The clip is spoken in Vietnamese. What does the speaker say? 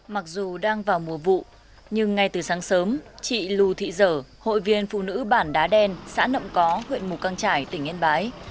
mặc dù đang vào mùa vụ nhưng ngay từ sáng sớm chị lù thị dở hội viên phụ nữ bản đá đen xã nậm có huyện mù căng trải tỉnh yên bái